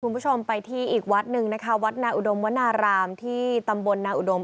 ทุกคนไปที่อีกวัดหนึ่งวัดนาอุดมวรรณารามที่ตำบลนาอุดม